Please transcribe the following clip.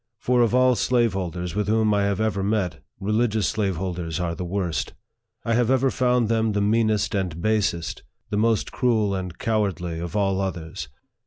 For of all slaveholders with whom I have ever met, religious slaveholders are the worst. I have ever found them the meanest and basest, the most cruel and cowardly, of all others.